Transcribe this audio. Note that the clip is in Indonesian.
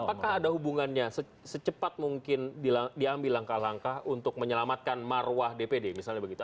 apakah ada hubungannya secepat mungkin diambil langkah langkah untuk menyelamatkan marwah dpd misalnya begitu